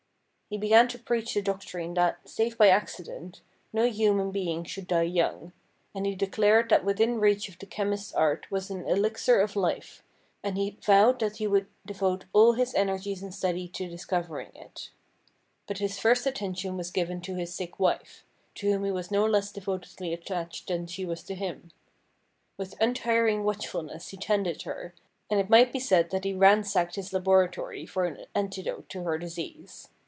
He began to preach the doctrine that, save by accident, no human being should die young ; and he declared that within reach of the chemist's art was an elixir of life, and he vowed that he would devote all his energies and study to discovering it. But his first 308 STORIES WEIRD AND WONDERFUL attention was given to his sick wife, to whom he was no less devotedly attached than she was to him. With untiring watchfulness he tended her, and it might be said that he ransacked his laboratory for an antidote to her disease.